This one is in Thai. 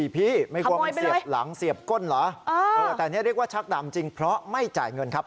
ไม่กลัวมันเสียบหลังเสียบก้นเหรอแต่นี่เรียกว่าชักดำจริงเพราะไม่จ่ายเงินครับ